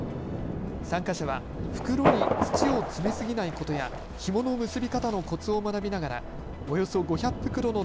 参加者は袋に土を詰めすぎないことやひもの結び方のこつを学びながらおよそ５００袋の